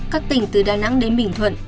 các tỉnh từ đà nẵng đến bình thuận